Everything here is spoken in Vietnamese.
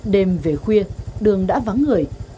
đêm về khuya đường đã vắng người